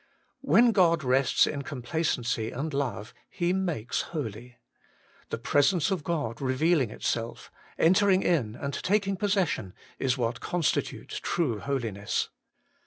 Where God rests in complacency and love, He makes fwly. The Presence of God revealing itself, entering in, and taking possession, is what constitutes true Holiness.